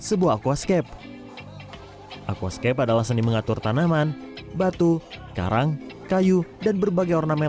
sebuah aquascape aquascape adalah seni mengatur tanaman batu karang kayu dan berbagai ornamen